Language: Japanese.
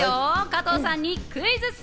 加藤さんにクイズッス！